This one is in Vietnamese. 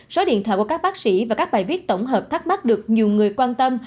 số điện thoại của các bác sĩ và các bài viết tổng hợp thắc mắc được nhiều người quan tâm